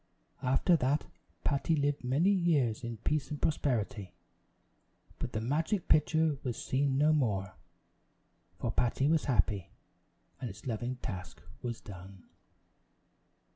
After that Patty lived many years in peace and prosperity; but the magic pitcher was seen no more, for Patty was happy, and its loving task was done.